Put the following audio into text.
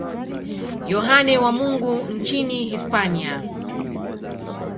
Yohane wa Mungu nchini Hispania.